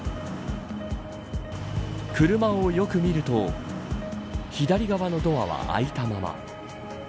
車をよく見ると左側のドアは開いたまま。